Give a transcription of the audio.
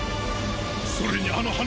それにあの羽。